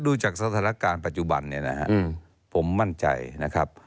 ก็ดูจากสถานการณ์ปัจจุบันผมมั่นใจนะครับ